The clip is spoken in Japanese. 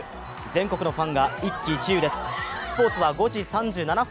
全国のファンが一喜一憂です。